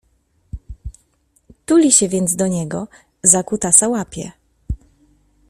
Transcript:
Tuli się więc do niego, za kutasa łapie